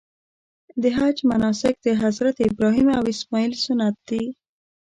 د حج مناسک د حضرت ابراهیم او اسماعیل سنت دي.